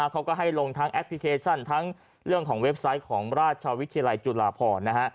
เขาก็ให้ลงทั้งแอปพลิเคชันทั้งเรื่องของเว็บไซต์ของราชวิทยาลัยจุฬาพรนะฮะ